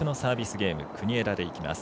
ゲーム国枝でいきます。